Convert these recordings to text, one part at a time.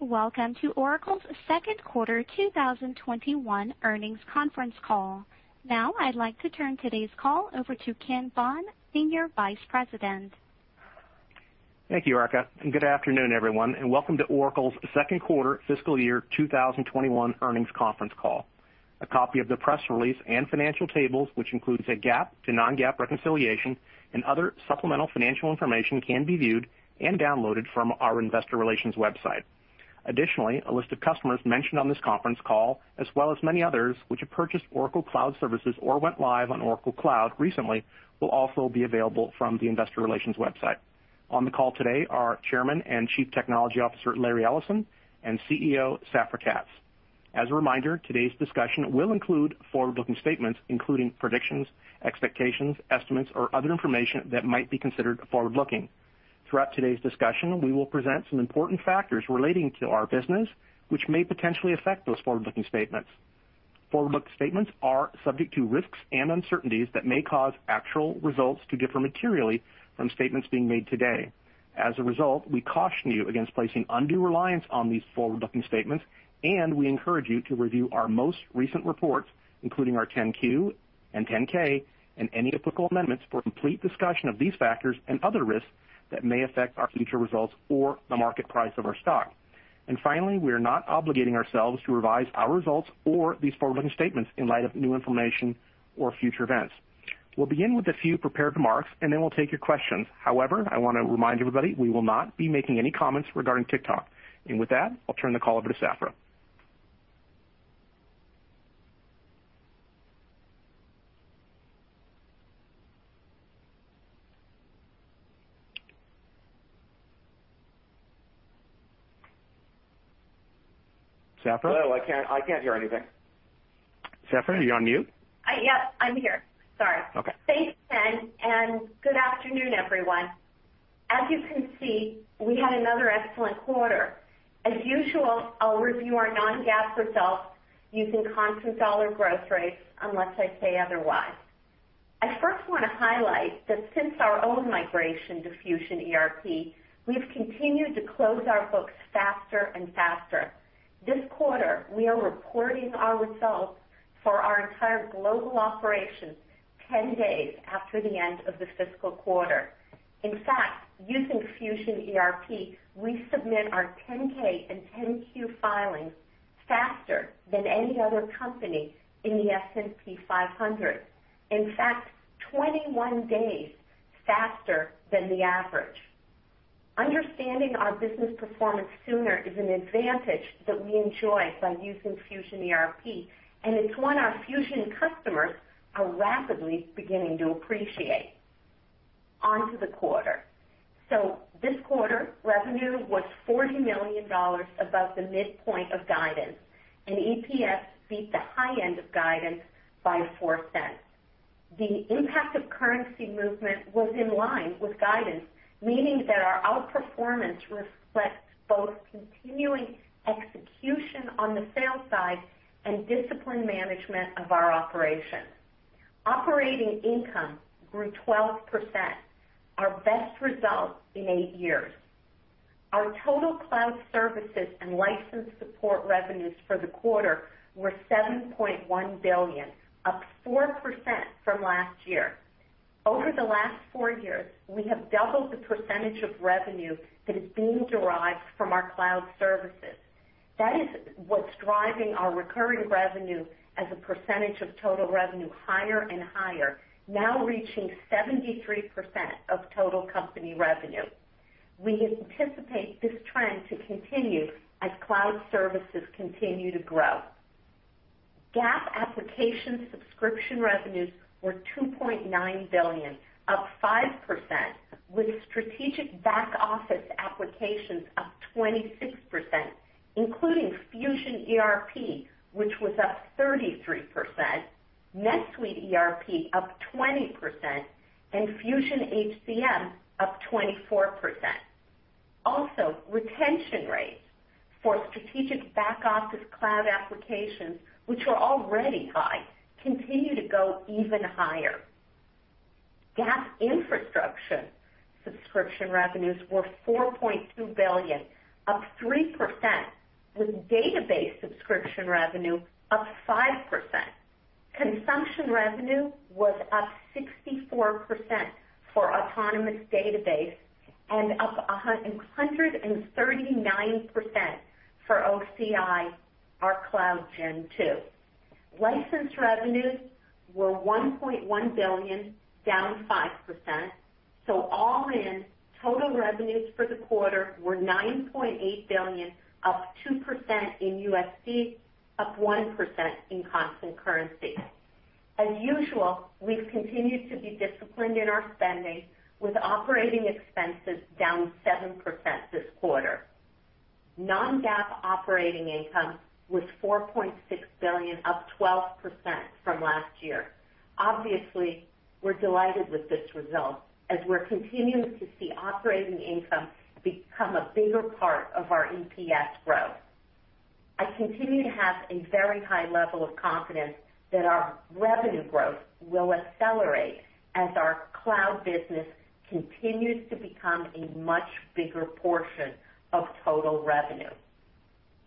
Welcome to Oracle's second quarter 2021 earnings conference call. Now I'd like to turn today's call over to Ken Bond, Senior Vice President. Thank you, Erica, and good afternoon, everyone, and welcome to Oracle's second quarter fiscal year 2021 earnings conference call. A copy of the press release and financial tables, which includes a GAAP to non-GAAP reconciliation and other supplemental financial information, can be viewed and downloaded from our investor relations website. Additionally, a list of customers mentioned on this conference call, as well as many others which have purchased Oracle Cloud services or went live on Oracle Cloud recently, will also be available from the investor relations website. On the call today are Chairman and Chief Technology Officer, Larry Ellison, and CEO, Safra Catz. As a reminder, today's discussion will include forward-looking statements, including predictions, expectations, estimates, or other information that might be considered forward-looking. Throughout today's discussion, we will present some important factors relating to our business, which may potentially affect those forward-looking statements. Forward-looking statements are subject to risks and uncertainties that may cause actual results to differ materially from statements being made today. As a result, we caution you against placing undue reliance on these forward-looking statements, and we encourage you to review our most recent reports, including our 10-Q and 10-K, and any applicable amendments for complete discussion of these factors and other risks that may affect our future results or the market price of our stock. Finally, we are not obligating ourselves to revise our results or these forward-looking statements in light of new information or future events. We'll begin with a few prepared remarks and then we'll take your questions. However, I want to remind everybody, we will not be making any comments regarding TikTok. With that, I'll turn the call over to Safra. Safra? Hello. I can't hear anything. Safra, are you on mute? Yes, I'm here. Sorry. Okay. Thanks, Ken, and good afternoon, everyone. As you can see, we had another excellent quarter. As usual, I'll review our non-GAAP results using constant dollar growth rates, unless I say otherwise. I first want to highlight that since our own migration to Fusion ERP, we've continued to close our books faster and faster. This quarter, we are reporting our results for our entire global operations 10 days after the end of the fiscal quarter. In fact, using Fusion ERP, we submit our 10-K and 10-Q filings faster than any other company in the S&P 500. In fact, 21 days faster than the average. Understanding our business performance sooner is an advantage that we enjoy by using Fusion ERP, and it's one our Fusion customers are rapidly beginning to appreciate. On to the quarter. This quarter, revenue was $40 million above the midpoint of guidance, and EPS beat the high end of guidance by $0.04. The impact of currency movement was in line with guidance, meaning that our outperformance reflects both continuing execution on the sales side and disciplined management of our operations. Operating income grew 12%, our best result in eight years. Our total cloud services and license support revenues for the quarter were $7.1 billion, up 4% from last year. Over the last four years, we have doubled the percentage of revenue that is being derived from our cloud services. That is what's driving our recurring revenue as a percentage of total revenue higher and higher, now reaching 73% of total company revenue. We anticipate this trend to continue as cloud services continue to grow. GAAP application subscription revenues were $2.9 billion, up 5%, with strategic back-office applications up 26%, including Fusion ERP, which was up 33%, NetSuite ERP up 20%, and Fusion HCM up 24%. Retention rates for strategic back-office cloud applications, which were already high, continue to go even higher. GAAP infrastructure subscription revenues were $4.2 billion, up 3%, with database subscription revenue up 5%. Consumption revenue was up 64% for Autonomous Database and up 139% for OCI, our Cloud Gen 2. License revenues were $1.1 billion, down 5%. All in, total revenues for the quarter were $9.8 billion, up 2% in USD, up 1% in constant currency. As usual, we've continued to be disciplined in our spending, with operating expenses down 7% this quarter. Non-GAAP operating income was $4.6 billion, up 12% from last year. Obviously, we're delighted with this result, as we're continuing to see operating income become a bigger part of our EPS growth. I continue to have a very high level of confidence that our revenue growth will accelerate as our cloud business continues to become a much bigger portion of total revenue.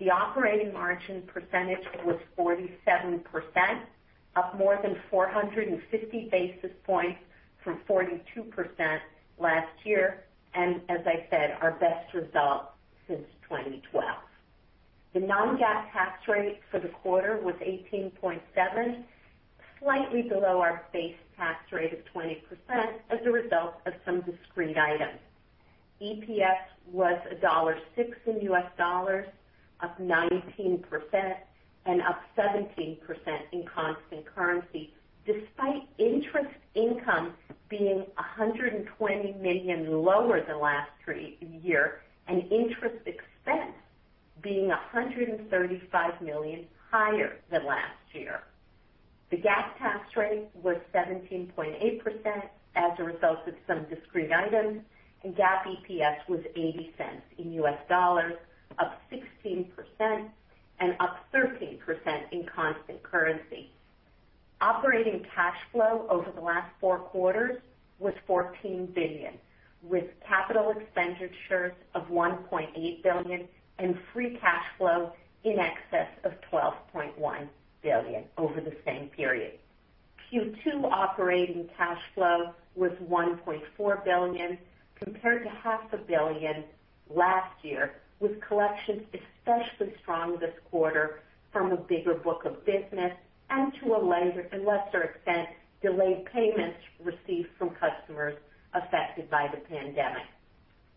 The operating margin percentage was 47%, up more than 450 basis points from 42% last year, and as I said, our best result since 2012. The non-GAAP tax rate for the quarter was 18.7, slightly below our base tax rate of 20% as a result of some discrete items. EPS was $1.06 in US dollars, up 19% and up 17% in constant currency, despite interest income being $120 million lower than last year and interest expense being $135 million higher than last year. The GAAP tax rate was 17.8% as a result of some discrete items, and GAAP EPS was $0.80 in US dollars, up 16% and up 13% in constant currency. Operating cash flow over the last four quarters was $14 billion, with capital expenditures of $1.8 billion and free cash flow in excess of $12.1 billion over the same period. Q2 operating cash flow was $1.4 billion, compared to half a billion last year, with collections especially strong this quarter from a bigger book of business and to a lesser extent, delayed payments received from customers affected by the pandemic.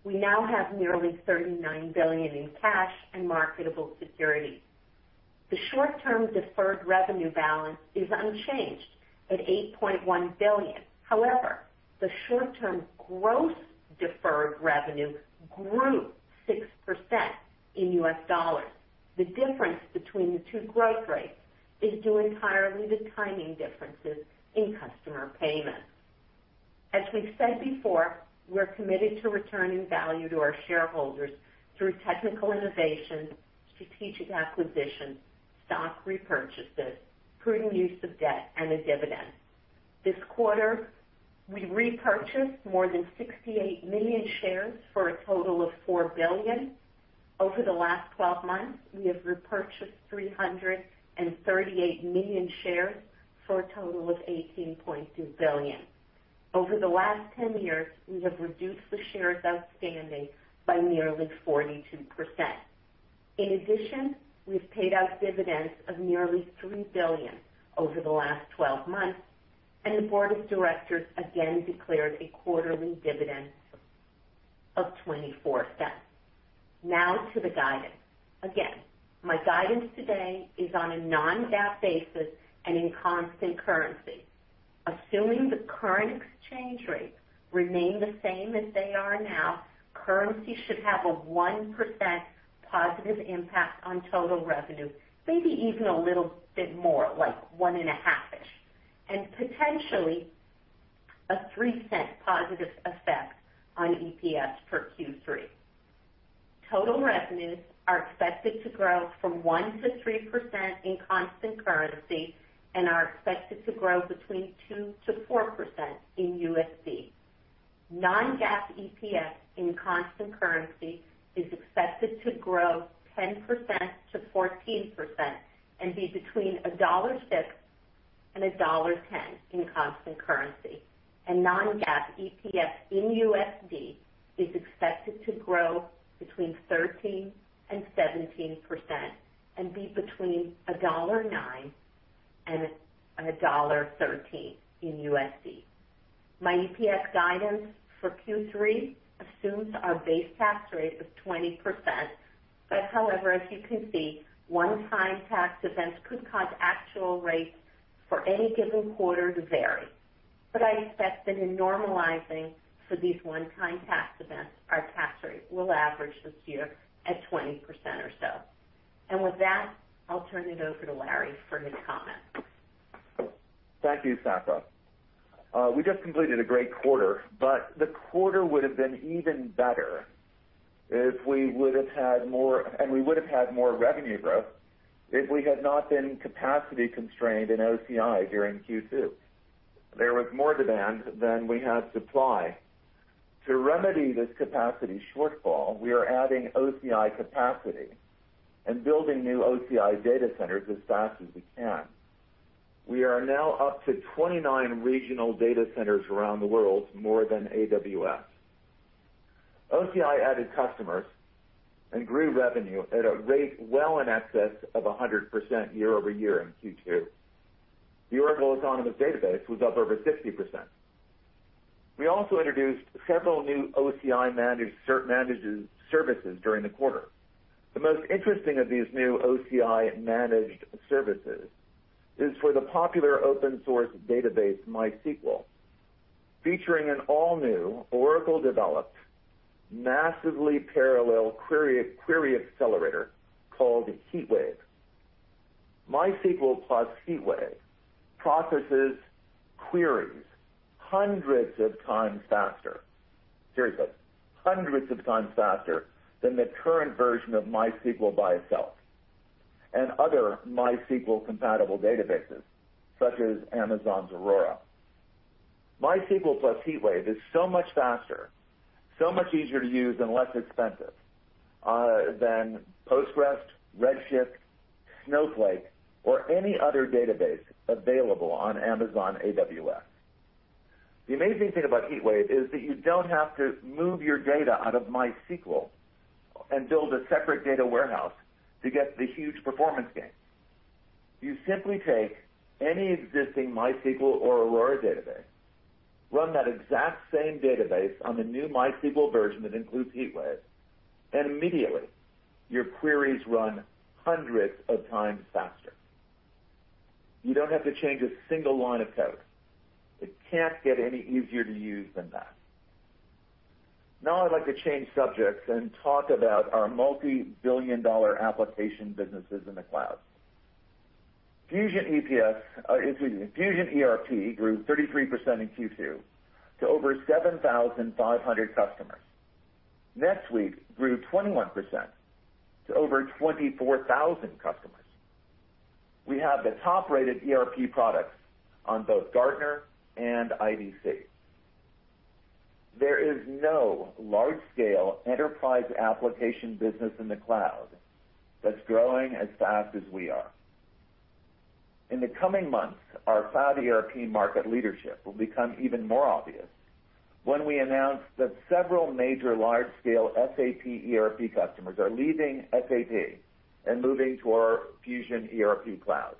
We now have nearly $39 billion in cash and marketable securities. The short-term deferred revenue balance is unchanged at $8.1 billion. However, the short-term gross deferred revenue grew 6% in US dollars. The difference between the two growth rates is due entirely to timing differences in customer payments. As we've said before, we're committed to returning value to our shareholders through technical innovation, strategic acquisitions, stock repurchases, prudent use of debt, and a dividend. This quarter, we repurchased more than 68 million shares for a total of $4 billion. Over the last 12 months, we have repurchased 338 million shares for a total of $18.2 billion. Over the last 10 years, we have reduced the shares outstanding by nearly 42%. In addition, we've paid out dividends of nearly $3 billion over the last 12 months, and the board of directors again declared a quarterly dividend of $0.24. Now to the guidance. Again, my guidance today is on a non-GAAP basis and in constant currency. Assuming the current exchange rates remain the same as they are now, currency should have a 1% positive impact on total revenue, maybe even a little bit more, like one and a half-ish, and potentially a $0.03 positive effect on EPS for Q3. Total revenues are expected to grow from 1%-3% in constant currency and are expected to grow between 2%-4% in USD. Non-GAAP EPS in constant currency is expected to grow 10%-14% and be between $1.06 and $1.10 in constant currency. Non-GAAP EPS in USD is expected to grow between 13% and 17% and be between $1.09 and $1.13 in USD. My EPS guidance for Q3 assumes our base tax rate of 20%, but however, as you can see, one-time tax events could cause actual rates for any given quarter to vary. I expect that in normalizing for these one-time tax events, our tax rate will average this year at 20% or so. With that, I'll turn it over to Larry for his comments. Thank you, Safra. We just completed a great quarter, but the quarter would have been even better and we would have had more revenue growth if we had not been capacity constrained in OCI during Q2. There was more demand than we had supply. To remedy this capacity shortfall, we are adding OCI capacity and building new OCI data centers as fast as we can. We are now up to 29 regional data centers around the world, more than AWS. OCI added customers and grew revenue at a rate well in excess of 100% year-over-year in Q2. The Oracle Autonomous Database was up over 50%. We also introduced several new OCI managed services during the quarter. The most interesting of these new OCI managed services is for the popular open source database, MySQL, featuring an all-new Oracle developed massively parallel query accelerator called HeatWave. MySQL plus HeatWave processes queries hundreds of times faster. Seriously, hundreds of times faster than the current version of MySQL by itself and other MySQL-compatible databases, such as Amazon's Aurora. MySQL plus HeatWave is so much faster, so much easier to use, and less expensive than Postgres, Redshift, Snowflake, or any other database available on Amazon AWS. The amazing thing about HeatWave is that you don't have to move your data out of MySQL and build a separate data warehouse to get the huge performance gain. You simply take any existing MySQL or Aurora database, run that exact same database on the new MySQL version that includes HeatWave, and immediately, your queries run hundreds of times faster. You don't have to change a single line of code. It can't get any easier to use than that. Now I'd like to change subjects and talk about our multi-billion-dollar application businesses in the cloud. Fusion ERP grew 33% in Q2 to over 7,500 customers. NetSuite grew 21% to over 24,000 customers. We have the top-rated ERP products on both Gartner and IDC. There is no large-scale enterprise application business in the cloud that's growing as fast as we are. In the coming months, our cloud ERP market leadership will become even more obvious when we announce that several major large-scale SAP ERP customers are leaving SAP and moving to our Fusion ERP cloud.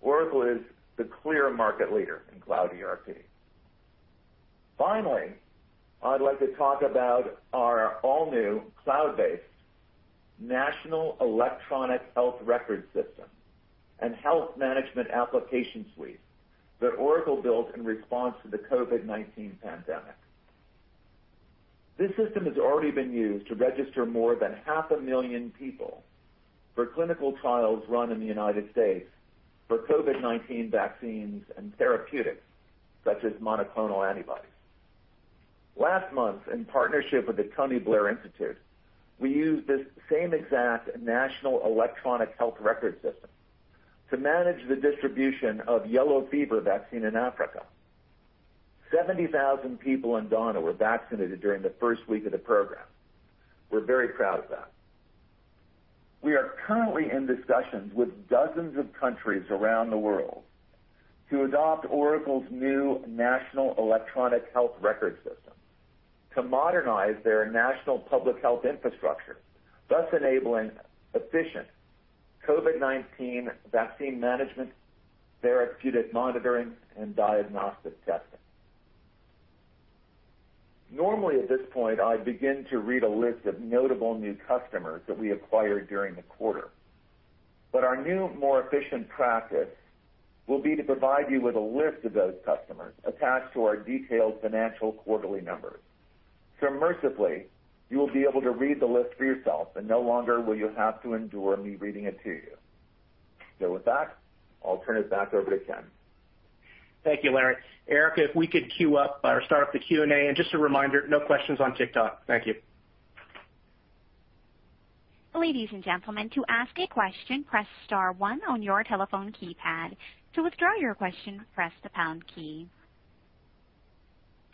Oracle is the clear market leader in cloud ERP. I'd like to talk about our all-new cloud-based national electronic health record system and health management application suite that Oracle built in response to the COVID-19 pandemic. This system has already been used to register more than half a million people for clinical trials run in the United States for COVID-19 vaccines and therapeutics such as monoclonal antibodies. Last month, in partnership with the Tony Blair Institute, we used this same exact national electronic health record system to manage the distribution of yellow fever vaccine in Africa. 70,000 people in Ghana were vaccinated during the first week of the program. We're very proud of that. We are currently in discussions with dozens of countries around the world to adopt Oracle's new national electronic health record system to modernize their national public health infrastructure, thus enabling efficient COVID-19 vaccine management, therapeutic monitoring, and diagnostic testing. Normally, at this point, I begin to read a list of notable new customers that we acquired during the quarter. Our new, more efficient practice will be to provide you with a list of those customers attached to our detailed financial quarterly numbers. Immersively, you will be able to read the list for yourself, and no longer will you have to endure me reading it to you. With that, I'll turn it back over to Ken. Thank you, Larry. Erica, if we could queue up or start off the Q&A. Just a reminder, no questions on TikTok. Thank you. Ladies and gentlemen, to ask a question, press star one on your telephone keypad. To withdraw your question, press the pound key.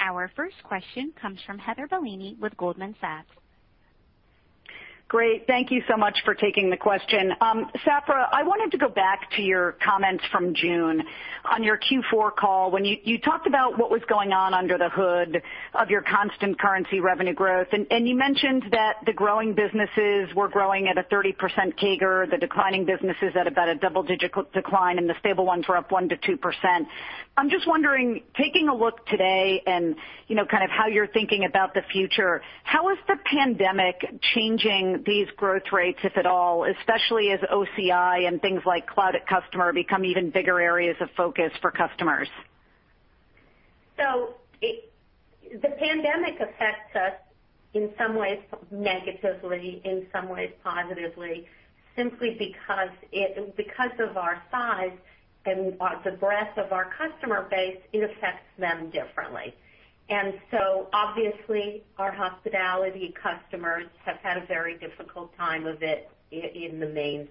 Our first question comes from Heather Bellini with Goldman Sachs. Great. Thank you so much for taking the question. Safra, I wanted to go back to your comments from June on your Q4 call when you talked about what was going on under the hood of your constant currency revenue growth, and you mentioned that the growing businesses were growing at a 30% CAGR, the declining businesses at about a double-digit decline, and the stable ones were up 1%-2%. I'm just wondering, taking a look today and how you're thinking about the future, how is the pandemic changing these growth rates, if at all, especially as OCI and things like Oracle Cloud@Customer become even bigger areas of focus for customers? The pandemic affects us in some ways negatively, in some ways positively, simply because of our size and the breadth of our customer base, it affects them differently. Obviously, our hospitality customers have had a very difficult time of it in the main.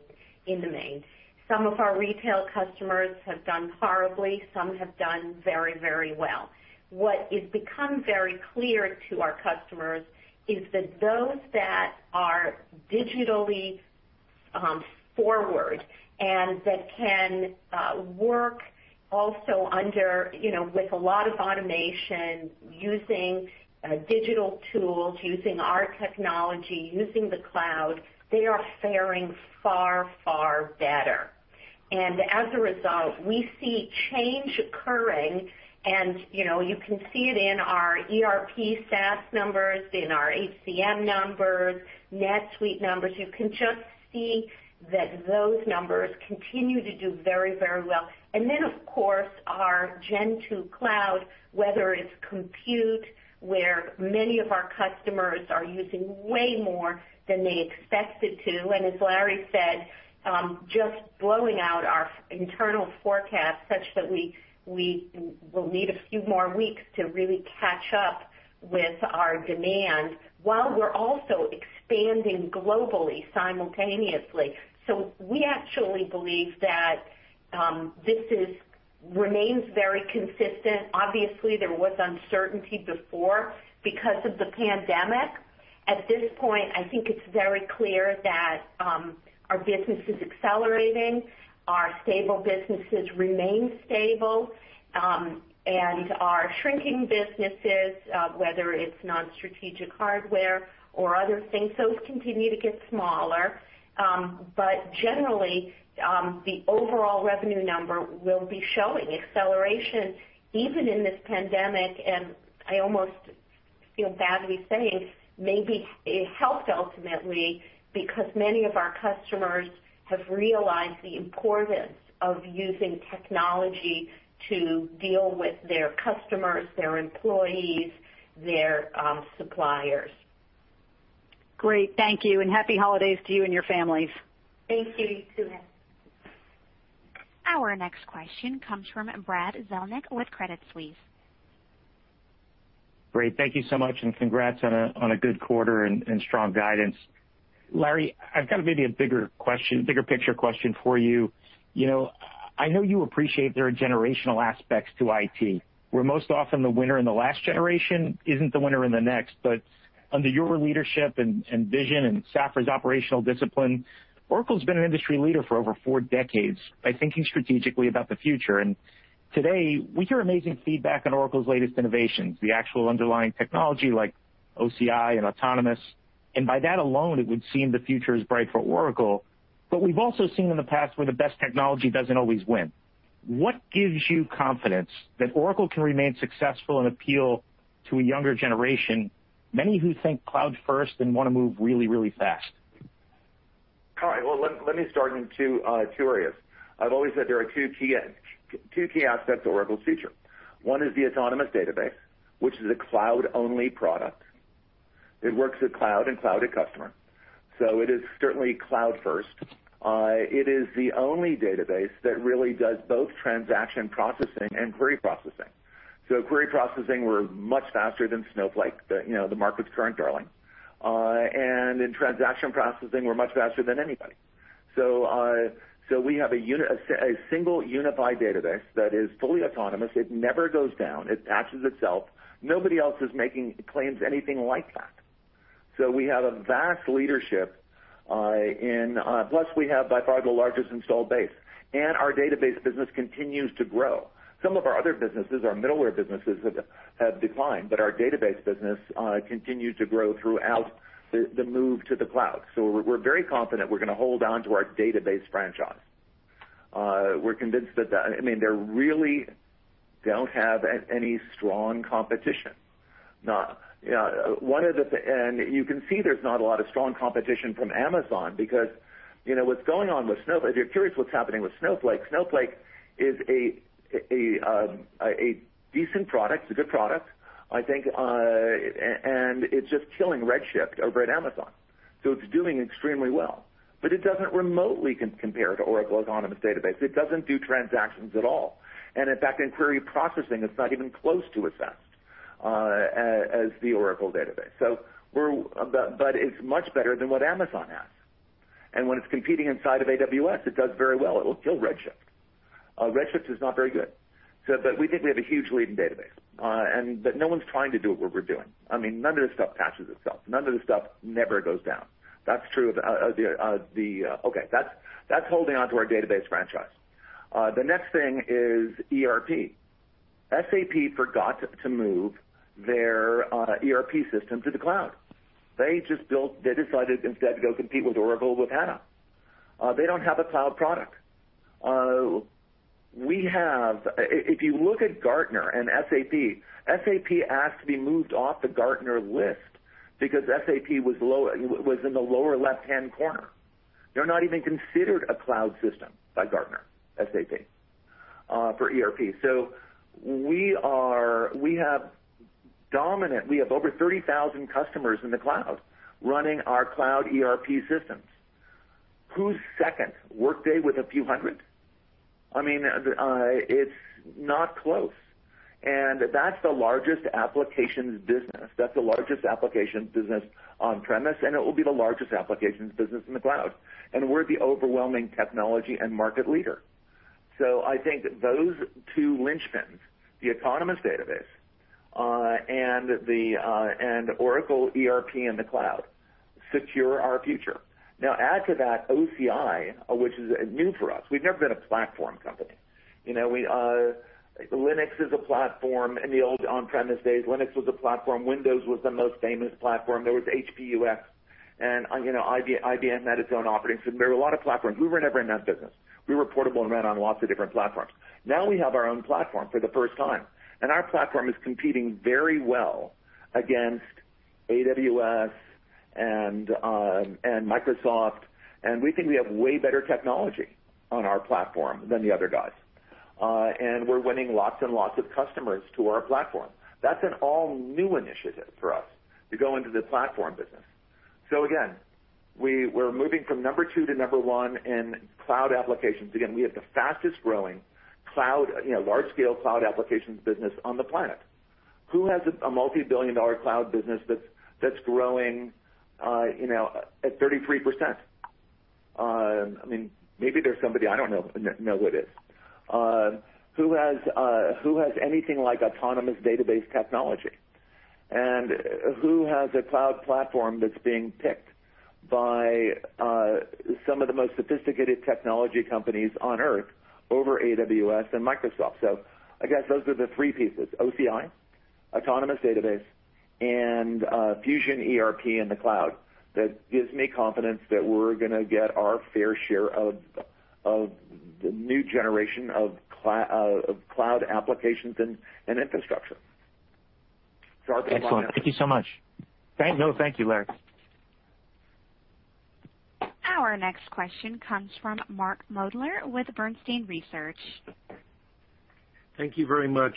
Some of our retail customers have done horribly, some have done very well. What has become very clear to our customers is that those that are digitally forward and that can work also with a lot of automation, using digital tools, using our technology, using the cloud, they are faring far better. As a result, we see change occurring, and you can see it in our ERP SaaS numbers, in our HCM numbers, NetSuite numbers. You can just see that those numbers continue to do very, very well. Of course, our Gen 2 Cloud, whether it's compute, where many of our customers are using way more than they expected to, and as Larry said, just blowing out our internal forecast such that we will need a few more weeks to really catch up with our demand while we're also expanding globally simultaneously. We actually believe that this remains very consistent. Obviously, there was uncertainty before because of the pandemic. At this point, I think it's very clear that our business is accelerating, our stable businesses remain stable, and our shrinking businesses, whether it's non-strategic hardware or other things, those continue to get smaller. Generally, the overall revenue number will be showing acceleration even in this pandemic, and I almost feel badly saying maybe it helped ultimately because many of our customers have realized the importance of using technology to deal with their customers, their employees, their suppliers. Great. Thank you, and happy holidays to you and your families. Thank you. You too. Our next question comes from Brad Zelnick with Credit Suisse. Thank you so much, and congrats on a good quarter and strong guidance. Larry, I've got maybe a bigger picture question for you. I know you appreciate there are generational aspects to IT, where most often the winner in the last generation isn't the winner in the next. Under your leadership and vision and Safra's operational discipline, Oracle's been an industry leader for over four decades by thinking strategically about the future. Today, we hear amazing feedback on Oracle's latest innovations, the actual underlying technology like OCI and Autonomous, and by that alone, it would seem the future is bright for Oracle. We've also seen in the past where the best technology doesn't always win. What gives you confidence that Oracle can remain successful and appeal to a younger generation, many who think cloud first and want to move really, really fast? Let me start in two areas. I've always said there are two key aspects to Oracle's future. One is the Autonomous Database, which is a cloud-only product. It works with cloud and Cloud@Customer. It is certainly cloud first. It is the only database that really does both transaction processing and query processing. Query processing, we're much faster than Snowflake, the market's current darling. In transaction processing, we're much faster than anybody. We have a single unified database that is fully autonomous. It never goes down. It patches itself. Nobody else is making claims anything like that. We have a vast leadership, plus we have by far the largest installed base, and our database business continues to grow. Some of our other businesses, our middleware businesses, have declined, but our database business continued to grow throughout the move to the cloud. We're very confident we're going to hold on to our database franchise. We're convinced that, they really don't have any strong competition. You can see there's not a lot of strong competition from Amazon because what's going on with Snowflake, if you're curious what's happening with Snowflake is a decent product, it's a good product, I think, and it's just killing Redshift over at Amazon. It's doing extremely well, but it doesn't remotely compare to Oracle Autonomous Database. It doesn't do transactions at all. In fact, in query processing, it's not even close to us as the Oracle database. It's much better than what Amazon has. When it's competing inside of AWS, it does very well. It will kill Redshift. Redshift is not very good. We think we have a huge lead in database, but no one's trying to do what we're doing. None of this stuff patches itself. None of this stuff never goes down. That's holding onto our database franchise. The next thing is ERP. SAP forgot to move their ERP system to the cloud. They decided instead to go compete with Oracle with HANA. They don't have a cloud product. If you look at Gartner and SAP asked to be moved off the Gartner list because SAP was in the lower left-hand corner. They're not even considered a cloud system by Gartner, SAP, for ERP. We have over 30,000 customers in the cloud running our cloud ERP systems. Who's second? Workday with a few hundred. It's not close. That's the largest applications business. That's the largest applications business on-premise, and it will be the largest applications business in the cloud. We're the overwhelming technology and market leader. I think those two linchpins, the Autonomous Database, and Oracle ERP in the cloud secure our future. Now add to that OCI, which is new for us. We've never been a platform company. Linux is a platform. In the old on-premise days, Linux was a platform. Windows was the most famous platform. There was HP-UX. IBM had its own operating system. There were a lot of platforms. We were never in that business. We were portable and ran on lots of different platforms. Now we have our own platform for the first time, and our platform is competing very well against AWS and Microsoft, and we think we have way better technology on our platform than the other guys. We're winning lots and lots of customers to our platform. That's an all-new initiative for us to go into the platform business. Again, we're moving from number two to number one in cloud applications. We have the fastest-growing large-scale cloud applications business on the planet. Who has a multi-billion-dollar cloud business that's growing at 33%? Maybe there's somebody, I don't know who it is. Who has anything like Autonomous Database technology? Who has a cloud platform that's being picked by some of the most sophisticated technology companies on Earth over AWS and Microsoft? I guess those are the three pieces, OCI, Autonomous Database, and Fusion ERP in the cloud. That gives me confidence that we're going to get our fair share of the new generation of cloud applications and infrastructure. Excellent. Thank you so much. No, thank you, Brad. Our next question comes from Mark Moerdler with Bernstein Research. Thank you very much,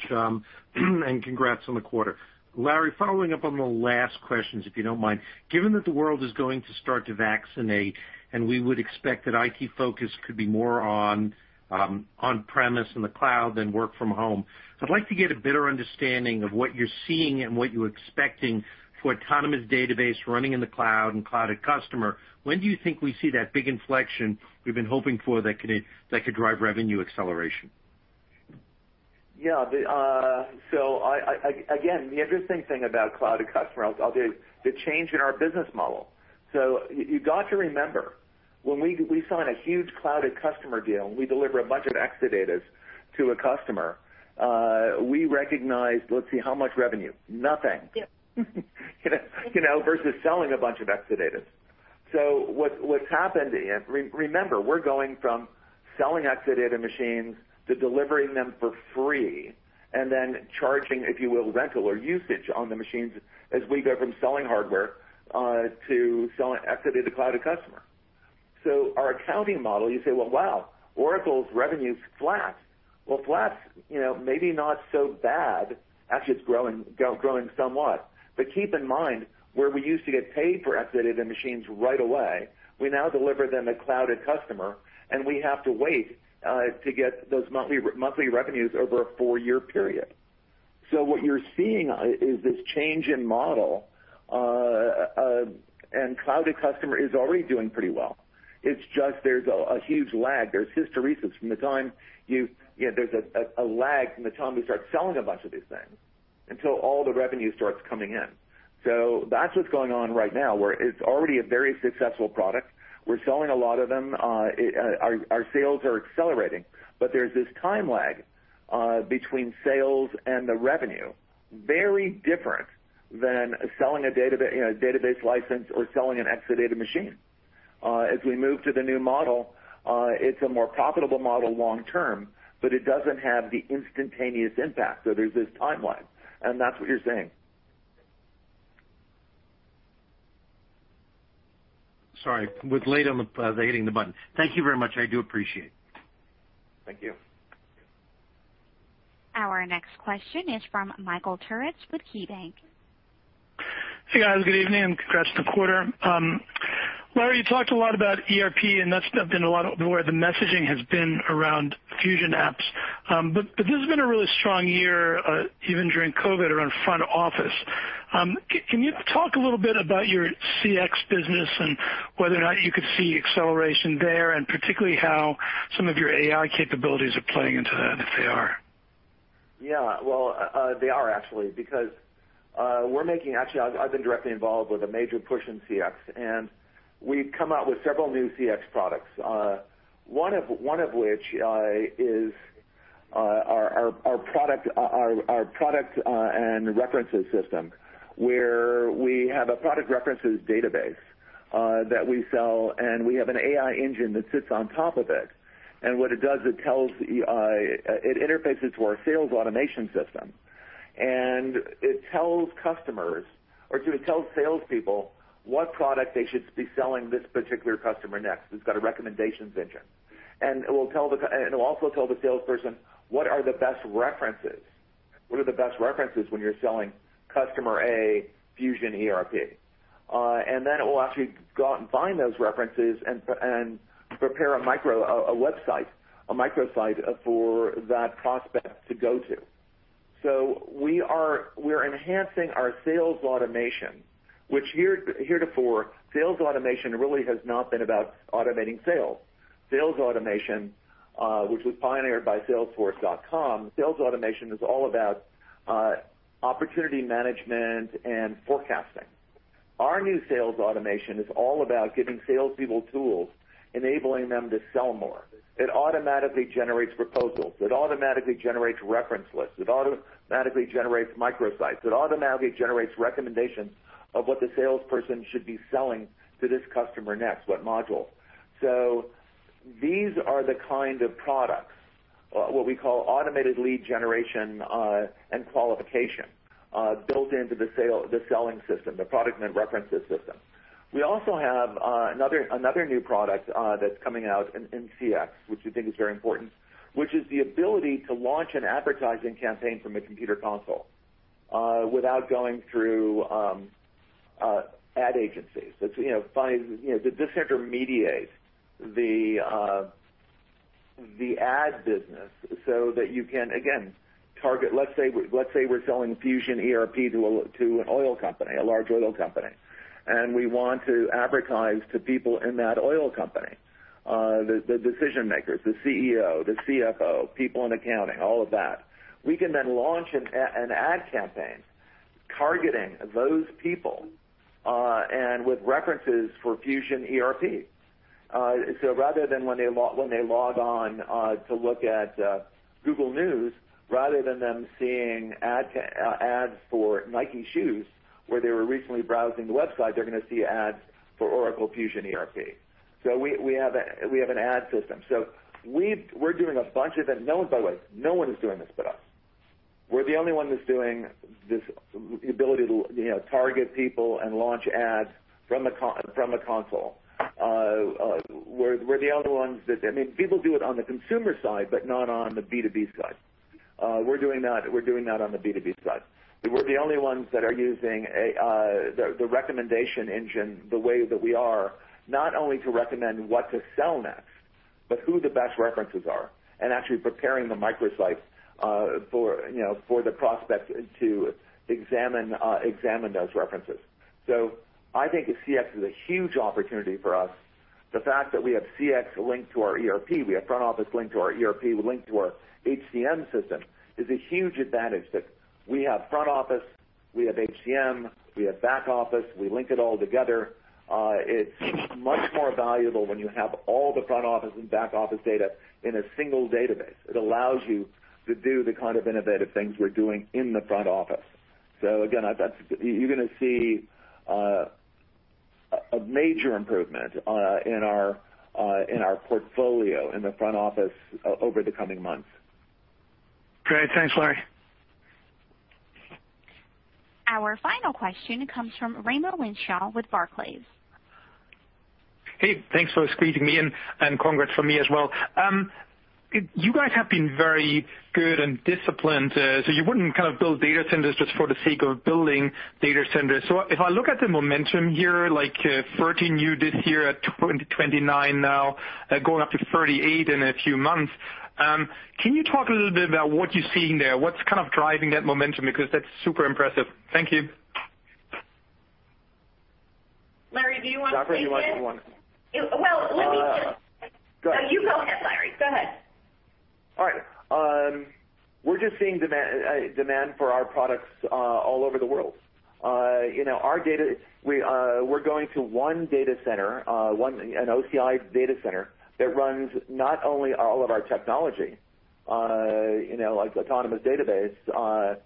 congrats on the quarter. Larry, following up on the last questions, if you don't mind. Given that the world is going to start to vaccinate, and we would expect that IT focus could be more on premise in the cloud than work from home, I'd like to get a better understanding of what you're seeing and what you're expecting for Autonomous Database running in the cloud and Cloud@Customer. When do you think we see that big inflection we've been hoping for that could drive revenue acceleration? Yeah. Again, the interesting thing about Cloud@Customer, I'll do the change in our business model. You've got to remember, when we sign a huge Cloud@Customer deal, and we deliver a bunch of Exadatas to a customer, we recognize, let's see, how much revenue? Nothing. Yep. Versus selling a bunch of Exadatas. What's happened, remember, we're going from selling Exadata machines to delivering them for free, and then charging, if you will, rental or usage on the machines as we go from selling hardware to selling Exadata Cloud@Customer. Our accounting model, you say, "Well, wow, Oracle's revenue's flat." Well, flat's maybe not so bad. Actually, it's growing somewhat. Keep in mind, where we used to get paid for Exadata machines right away, we now deliver them as Cloud@Customer, and we have to wait to get those monthly revenues over a four-year period. What you're seeing is this change in model, and Cloud@Customer is already doing pretty well. It's just there's a huge lag. There's hysteresis from the time we start selling a bunch of these things until all the revenue starts coming in. That's what's going on right now, where it's already a very successful product. We're selling a lot of them. Our sales are accelerating. There's this time lag between sales and the revenue, very different than selling a database license or selling an Exadata machine. As we move to the new model, it's a more profitable model long term, but it doesn't have the instantaneous impact, so there's this timeline, and that's what you're seeing. Sorry. Was late on the hitting the button. Thank you very much. I do appreciate it. Thank you. Our next question is from Michael Turits with KeyBanc. Hey, guys. Good evening, and congrats on the quarter. Larry, you talked a lot about ERP, and that's been a lot where the messaging has been around Fusion apps. This has been a really strong year, even during COVID, around front office. Can you talk a little bit about your CX business and whether or not you could see acceleration there, and particularly how some of your AI capabilities are playing into that, if they are? Yeah. Well, they are, actually, because we've been directly involved with a major push in CX, and we've come out with several new CX products. One of which is our product and references system, where we have a product references database that we sell, we have an AI engine that sits on top of it. What it does, it interfaces to our sales automation system, and it tells salespeople what product they should be selling this particular customer next. It's got a recommendations engine. It will also tell the salesperson what are the best references when you're selling customer A Fusion ERP. Then it will actually go out and find those references and prepare a microsite for that prospect to go to. We're enhancing our sales automation, which heretofore, sales automation really has not been about automating sales. Sales automation, which was pioneered by salesforce.com, sales automation is all about opportunity management and forecasting. Our new sales automation is all about giving salespeople tools, enabling them to sell more. It automatically generates proposals. It automatically generates reference lists. It automatically generates microsites. It automatically generates recommendations of what the salesperson should be selling to this customer next, what module. These are the kind of products, what we call automated lead generation and qualification, built into the selling system, the product and references system. We also have another new product that's coming out in CX, which we think is very important, which is the ability to launch an advertising campaign from a computer console without going through ad agencies. Disintermediate the ad business so that you can, again, target. Let's say we're selling Fusion ERP to an oil company, a large oil company. We want to advertise to people in that oil company, the decision-makers, the CEO, the CFO, people in accounting, all of that. We can launch an ad campaign targeting those people, with references for Fusion ERP. Rather than when they log on to look at Google News, rather than them seeing ads for Nike shoes where they were recently browsing the website, they're going to see ads for Oracle Fusion ERP. We have an ad system. We're doing a bunch of them. By the way, no one is doing this but us. We're the only one that's doing the ability to target people and launch ads from a console. We're the only ones. People do it on the consumer side, but not on the B2B side. We're doing that on the B2B side. We're the only ones that are using the recommendation engine the way that we are, not only to recommend what to sell next, but who the best references are, and actually preparing the microsite for the prospect to examine those references. I think CX is a huge opportunity for us. The fact that we have CX linked to our ERP, we have front office linked to our ERP, linked to our HCM system, is a huge advantage that we have front office, we have HCM, we have back office, we link it all together. It's much more valuable when you have all the front office and back office data in a single database. It allows you to do the kind of innovative things we're doing in the front office. Again, you're going to see a major improvement in our portfolio in the front office over the coming months. Great. Thanks, Larry. Our final question comes from Raimo Lenschow with Barclays. Hey, thanks for squeezing me in, and congrats from me as well. You guys have been very good and disciplined, so you wouldn't build data centers just for the sake of building data centers. If I look at the momentum here, like 13 you did here at 29 now, going up to 38 in a few months, can you talk a little bit about what you're seeing there? What's driving that momentum? That's super impressive. Thank you. Larry, do you want to take this? Safra, do you want this one? Well, let me just. Go ahead. No, you go ahead, Larry. Go ahead. All right. We're just seeing demand for our products all over the world. We're going to one data center, an OCI data center that runs not only all of our technology, like Autonomous Database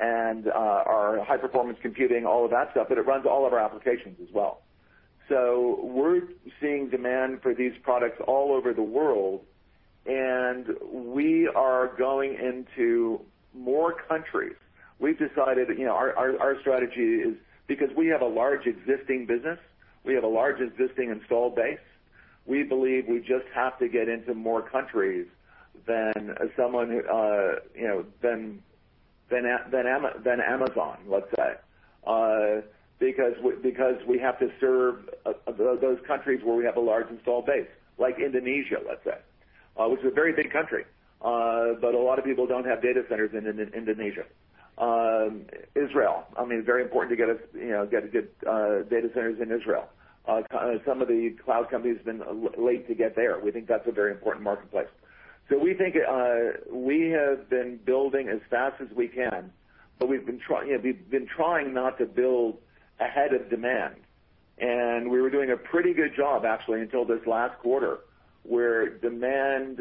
and our high-performance computing, all of that stuff, but it runs all of our applications as well. We're seeing demand for these products all over the world, and we are going into more countries. Our strategy is because we have a large existing business, we have a large existing installed base, we believe we just have to get into more countries than Amazon, let's say, because we have to serve those countries where we have a large installed base, like Indonesia, let's say, which is a very big country. A lot of people don't have data centers in Indonesia. Israel, very important to get good data centers in Israel. Some of the cloud companies have been late to get there. We think that's a very important marketplace. We have been building as fast as we can, but we've been trying not to build ahead of demand. We were doing a pretty good job, actually, until this last quarter, where demand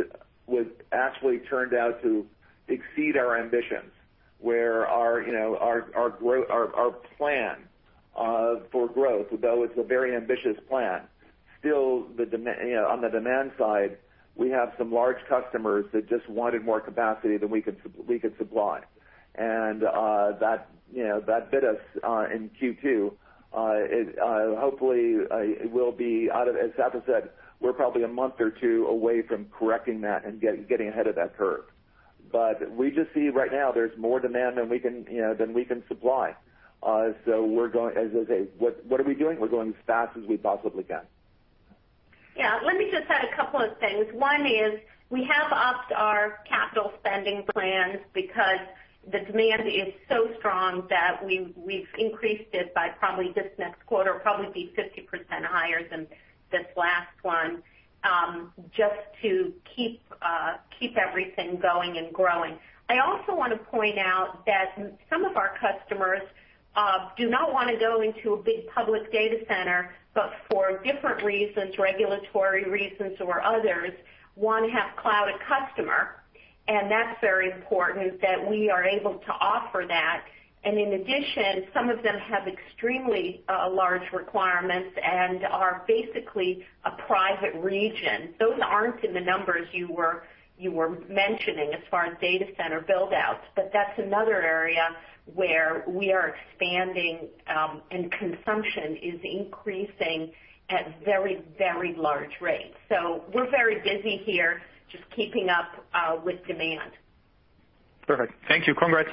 actually turned out to exceed our ambitions, where our plan for growth, although it's a very ambitious plan, still on the demand side, we have some large customers that just wanted more capacity than we could supply. That bit us in Q2. Hopefully, it will be out of it. Saf, is that we're probably a month or two away from correcting that and getting ahead of that curve. We just see right now there's more demand than we can supply. What are we doing? We're going as fast as we possibly can. Yeah, let me just add a couple of things. One is we have upped our capital spending plans because the demand is so strong that we've increased it by probably this next quarter, it'll probably be 50% higher than this last one, just to keep everything going and growing. I also want to point out that some of our customers do not want to go into a big public data center, but for different reasons, regulatory reasons or others, want to have Cloud@Customer, and that's very important that we are able to offer that. In addition, some of them have extremely large requirements and are basically a private region. Those aren't in the numbers you were mentioning as far as data center build-outs, but that's another area where we are expanding, and consumption is increasing at very, very large rates. We're very busy here just keeping up with demand. Perfect. Thank you. Congrats.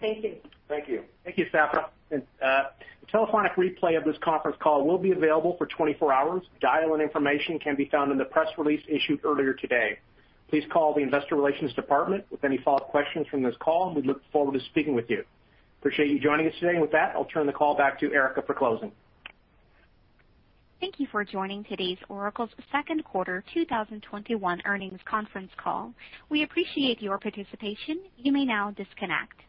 Thank you. Thank you. Thank you, Safra. The telephonic replay of this conference call will be available for 24 hours. Dial-in information can be found in the press release issued earlier today. Please call the investor relations department with any follow-up questions from this call, and we look forward to speaking with you. Appreciate you joining us today. With that, I'll turn the call back to Erica for closing. Thank you for joining today's Oracle's second quarter 2021 earnings conference call. We appreciate your participation. You may now disconnect.